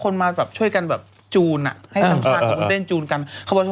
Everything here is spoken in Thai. น้ำชากับแฟนเลิกมาแล้ว